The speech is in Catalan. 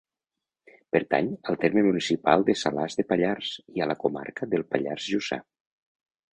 Pertany al terme municipal de Salàs de Pallars, i a la comarca del Pallars Jussà.